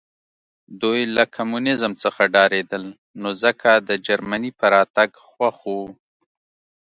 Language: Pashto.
دوی له کمونیزم څخه ډارېدل نو ځکه د جرمني په راتګ خوښ وو